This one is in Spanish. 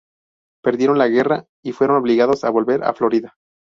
Perdieron la guerra y fueron obligados a volver a Florida.